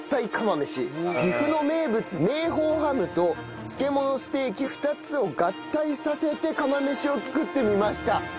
岐阜の名物明宝ハムと漬物ステーキ２つを合体させて釜飯を作ってみました。